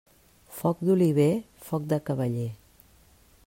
Foc d'oliver, foc de cavaller.